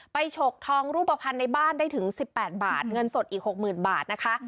ไปฉกทองรูปผันในบ้านได้ถึงสิบแปดบาทเงินสดอีกหกหมื่นบาทนะคะ